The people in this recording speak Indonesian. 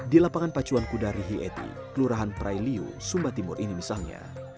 di lapangan pacuan kuda rihi eti kelurahan prailiu sumba timur ini misalnya